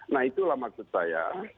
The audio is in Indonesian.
nah itulah maksud saya